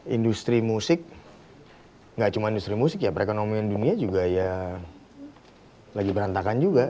industri musik gak cuma industri musik ya perekonomian dunia juga ya lagi berantakan juga